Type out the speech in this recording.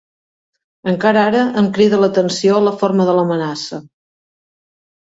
Encara ara em crida l'atenció la forma de l'amenaça.